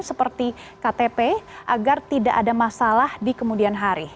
seperti ktp agar tidak ada masalah di kemudian hari